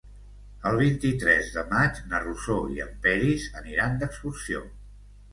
El vint-i-tres de maig na Rosó i en Peris aniran d'excursió.